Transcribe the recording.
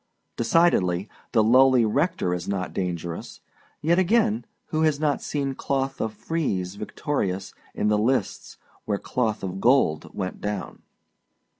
Decidedly, the lowly rector is not dangerous; yet, again, who has not seen Cloth of Frieze victorious in the lists where Cloth of Gold went down?